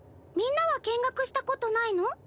みんなは見学したことないの？